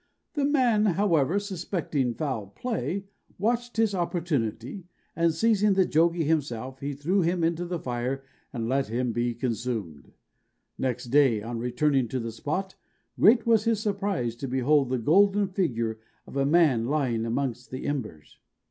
The man, however, suspecting foul play, watched his opportunity, and, seizing the Jogie himself, he threw him into the fire and left him to be consumed. Next day, on returning to the spot, great was his surprise to behold the golden figure of a man lying amongst the embers.